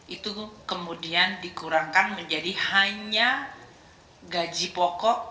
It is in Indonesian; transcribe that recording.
itu kemudian dikurangkan menjadi hanya gaji pokok